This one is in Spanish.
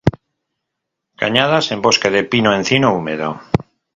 Cañadas, en bosque de pino-encino húmedo.